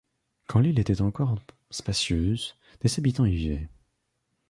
Quand l’île était encore spacieuse, des habitants y vivaient.